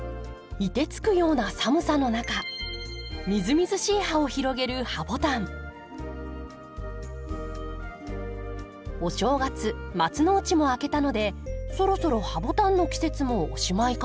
凍てつくような寒さの中みずみずしい葉を広げるお正月松の内も明けたのでそろそろハボタンの季節もおしまいかな。